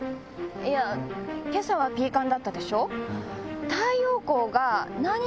いや今朝はピーカンだったでしょ。